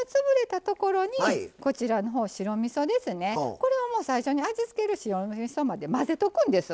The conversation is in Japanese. これはもう最初に味付ける白みそまで混ぜとくんですわ。